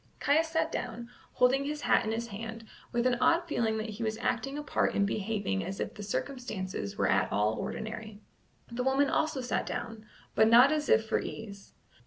Caius sat down, holding his hat in his hand, with an odd feeling that he was acting a part in behaving as if the circumstances were at all ordinary. The woman also sat down, but not as if for ease.